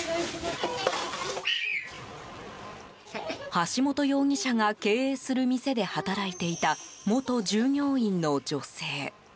橋本容疑者が経営する店で働いていた元従業員の女性。